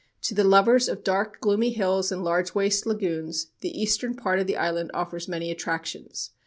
To the lovers of dark gloomy hills and large waste lagoons, the eastern part of the island offers many attractions.